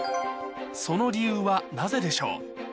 その理由はなぜでしょう？